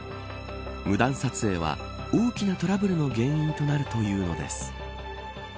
無断撮影は大きなトラブルの原因となるというのです。